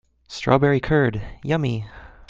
Strawberry curd, yummy!